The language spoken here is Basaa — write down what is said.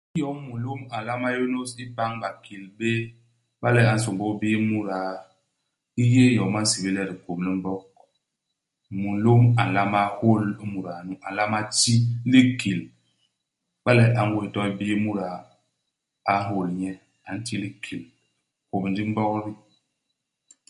Iyom mulôm a nlama yônôs ipañ bakil béé, iba le a nsômbôl bii muda, i yé iyom ba nsébél le dikôm di Mbog. Mulôm a nlama hôl imuda nu. A nlama ti likil, iba le a ngwés toy bii muda. A nhôl nye. A nti likil. Dikôm di Mbog ti.